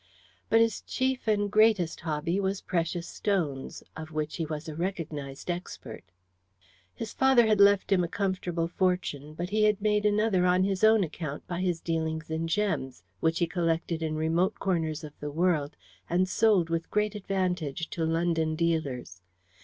But his chief and greatest hobby was precious stones, of which he was a recognized expert. His father had left him a comfortable fortune, but he had made another on his own account by his dealings in gems, which he collected in remote corners of the world and sold with great advantage to London dealers.